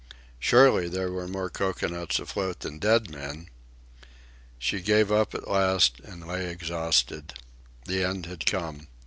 Surely, there were more cocoanuts afloat than dead men! She gave up at last, and lay exhausted. The end had come.